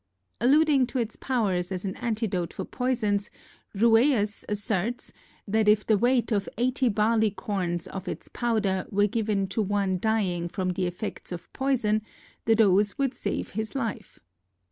Alluding to its powers as an antidote for poisons, Rueus asserts that if the weight of eighty barley corns of its powder were given to one dying from the effects of poison, the dose would save his life.